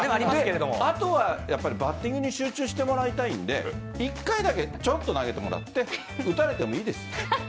あとはバッティングに集中してもらいたいので１回だけちょろっと投げてもらって打たれてもいいです。